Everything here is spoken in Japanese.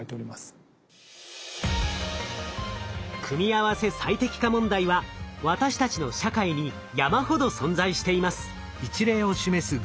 組合せ最適化問題は私たちの社会に山ほど存在しています。